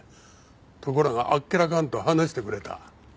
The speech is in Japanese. ところがあっけらかんと話してくれた。